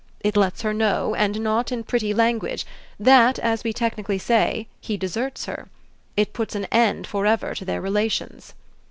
It lets her know, and not in pretty language, that, as we technically say, he deserts her. It puts an end for ever to their relations."